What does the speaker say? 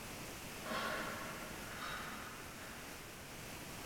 Tolik z mé strany, děkuji vám.